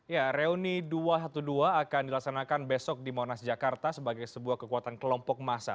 ya reuni dua ratus dua belas akan dilaksanakan besok di monas jakarta sebagai sebuah kekuatan kelompok massa